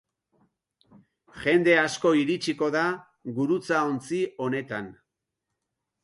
Jende asko iritsiko da gurutzaontzi honetan.